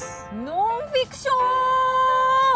ノンフィクション。